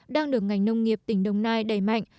đang được ngành nông nghiệp tỉnh đồng nai đẩy mạnh